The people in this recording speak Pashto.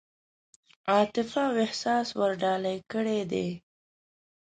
عاطفه او احساس ورډالۍ کړي دي.